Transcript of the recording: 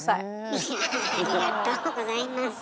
いやぁありがとうございます。